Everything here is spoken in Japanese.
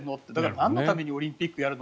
何のためにオリンピックをやるの？